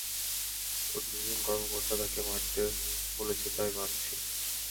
ঊর্ধ্বতন কর্মকর্তা তাকে মারতে বলেছে, তাই মারছি।